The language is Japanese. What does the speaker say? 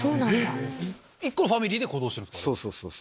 １個のファミリーで行動してるんですか。